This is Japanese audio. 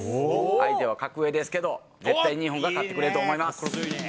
相手は格上ですけど、絶対、日本が勝ってくれると思います。